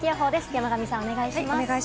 山神さん、お願いします。